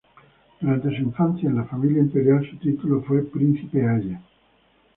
Durante su infancia en la familia imperial su título fue "Príncipe Aya".